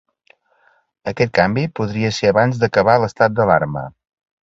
Aquest canvi podria ser abans d’acabar l’estat d’alarma.